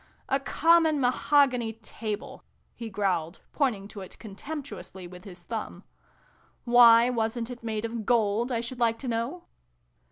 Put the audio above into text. " A common mahogany table !" he growled, pointing to it contemptuously with his thumb. " Why wasn't it made of gold, I should like to know